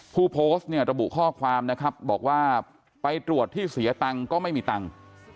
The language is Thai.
ผู้โพสต์เนี่ยระบุข้อความนะครับบอกว่าไปตรวจที่เสียตังค์ก็ไม่มีตังค์